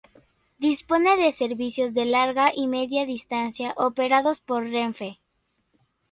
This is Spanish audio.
Dispone de servicios de larga y media distancia operados por Renfe.